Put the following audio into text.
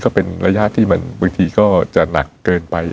ก็เป็นระยะที่มันบางทีก็จะหนักเกินไป